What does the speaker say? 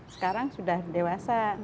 sekarang sudah dewasa